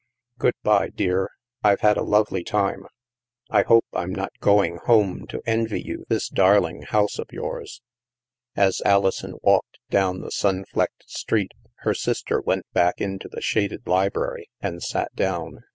Good bye, dear, I've had a lovely time. I hope I'm not going home to envy you this darling house of yours." As Alison walked down the sun flecked street, her sister went back into the shaded library and sat down.